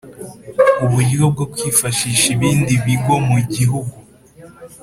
Uburyo bwo kwifashisha ibindi bigo mu gihugu